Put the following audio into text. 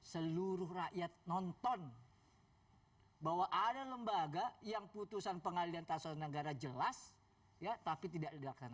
seluruh rakyat nonton bahwa ada lembaga yang putusan pengadilan tata usaha negara jelas ya tapi tidak dilaksanakan